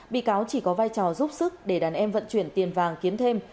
bị cáo chỉ có vai trò giúp sức để đàn em vận chuyển tiền vàng kiếm thêm